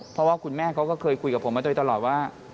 เพราะว่าคุณแม่เขาก็เคยคุยกับผมมาโดยตลอดว่า